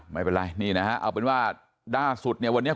ไม่เป็นไรนี่นะฮะเอาเป็นว่าล่าสุดเนี่ยวันนี้